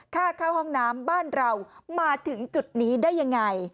ค่าเข้าห้องน้ำบ้านเรามาถึงจุดนี้ได้ยังไง